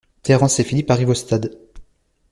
Terrance et Philippe arrivent au stade.